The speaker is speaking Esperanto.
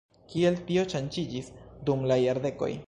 Kiel tio ŝanĝiĝis dum la jardekoj?